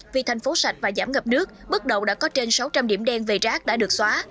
vì thành phố sạch và giảm ngập nước bước đầu đã có trên sáu trăm linh điểm đen về rác đã được xóa